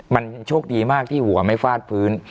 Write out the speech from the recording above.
มันโชคดีมากที่หัวไม่ฟาดพื้น